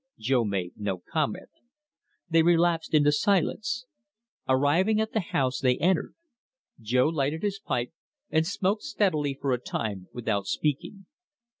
Jo made no comment. They relapsed into silence. Arriving at the house, they entered. Jo lighted his pipe, and smoked steadily for a time without speaking.